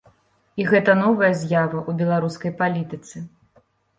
І гэта новая з'ява ў беларускай палітыцы.